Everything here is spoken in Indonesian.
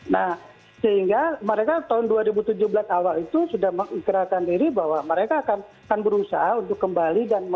nah sehingga mereka tahun dua ribu tujuh belas awal itu sudah mengikrakan diri bahwa mereka akan berusaha untuk kembali